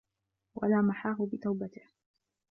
وَلَا مَحَاهُ بِتَوْبَتِهِ